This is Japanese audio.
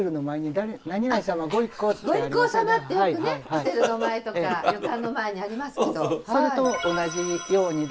「御一行様」ってよくねホテルの前とか旅館の前にありますけど。